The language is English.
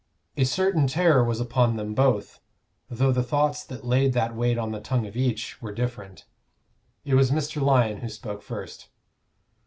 A certain terror was upon them both, though the thoughts that laid that weight on the tongue of each were different. It was Mr. Lyon who spoke first.